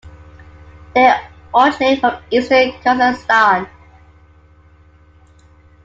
They originate from eastern Kazakhstan.